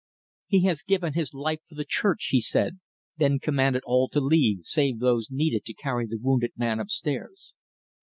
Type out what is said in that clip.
"He has given his life for the church," he said, then commanded all to leave, save those needed to carry the wounded man up stairs.